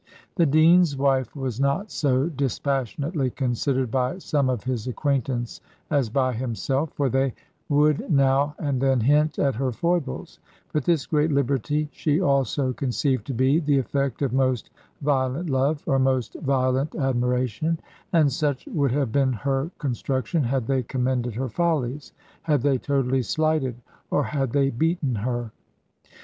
The dean's wife was not so dispassionately considered by some of his acquaintance as by himself; for they would now and then hint at her foibles: but this great liberty she also conceived to be the effect of most violent love, or most violent admiration: and such would have been her construction had they commended her follies had they totally slighted, or had they beaten her.